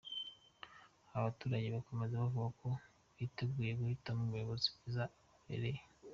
Aba baturage bakomeza bavuga ko biteguye guhitamo umuyobozi mwiza ubabereye.